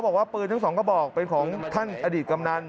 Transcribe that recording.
บอกว่าปืนทั้งสองกระบอกเป็นของท่านอดีตกำนัน